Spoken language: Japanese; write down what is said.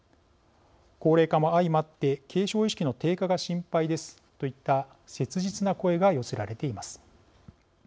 「高齢化も相まって継承意識の低下が心配です」といった切実な声が寄せられています。